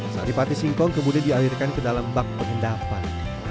sari pati singkong kemudian dialirkan ke dalam bak pengendapan